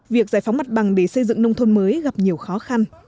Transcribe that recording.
việc giải phóng mặt bằng để xây dựng nông thôn mới gặp nhiều khó khăn